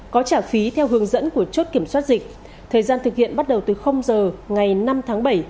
có trả phí theo hướng dẫn của chốt kiểm soát dịch thời gian thực hiện bắt đầu từ giờ ngày năm tháng bảy